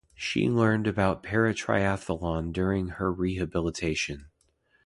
She learned about paratriatholon during her rehabilitation.